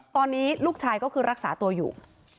ตอนนี้ลูกชายก็คือรักษาตัวอยู่